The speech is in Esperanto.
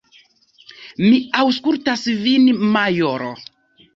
Mi aŭskultas vin, majoro!